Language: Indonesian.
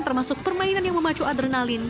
termasuk permainan yang memacu adrenalin